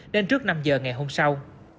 đến trước năm giờ ngày hôm sau